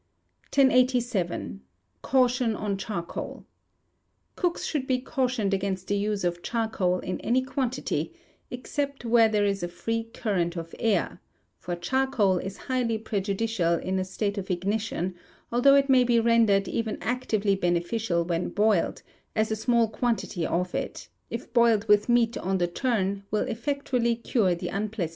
1087. Caution on Charcoal. Cooks should be cautioned against the use of charcoal in any quantity, except whore there is a free current of air; for charcoal is highly prejudicial in a state of ignition, although it may be rendered even actively beneficial when boiled, as a small quantity of it, if boiled with meat on the turn, will effectually cure the unpleasant taint.